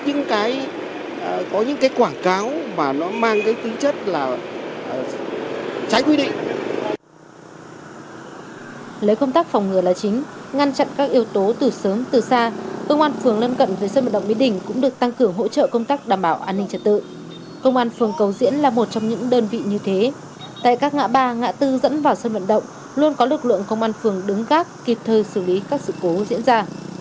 công an phường lên cận với sân vận động mỹ đình cũng được tăng cửa hỗ trợ công tác đảm bảo an ninh trật tự công an phường cầu diễn là một trong những đơn vị như thế tại các ngã ba ngã bốn dẫn vào sân vận động luôn có lực lượng công an phường đứng gác kịp thời xử lý các sự cố diễn ra